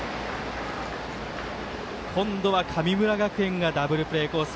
今度は神村学園がダブルプレーコース。